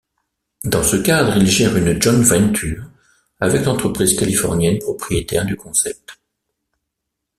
Dans ce cadre, il gère une joint-venture avec l’entreprise californienne propriétaire du concept.